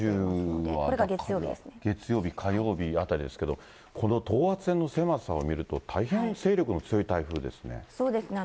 九州はだから月曜日、火曜日あたりですけと、この等圧線の狭さを見ると、大変勢力の強い台風ですね。